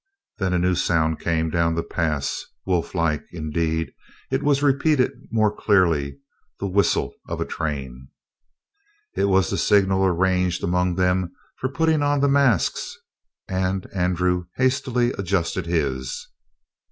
Then a new sound came down the pass, wolflike, indeed; it was repeated more clearly the whistle of a train. It was the signal arranged among them for putting on the masks, and Andrew hastily adjusted his.